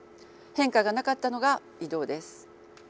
変化がなかったのが移動です。